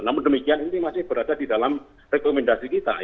namun demikian ini masih berada di dalam rekomendasi kita